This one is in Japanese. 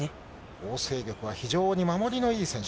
ホウ倩玉は非常に守りのいい選手。